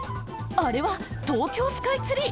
あれは東京スカイツリー！